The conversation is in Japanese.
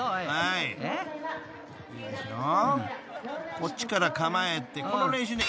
こっちから構えてこの練習でいい］